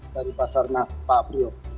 dari pasar nas pak aprio